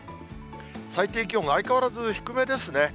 最低気温が相変わらず低めですね。